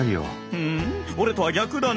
ふん俺とは逆だねえ。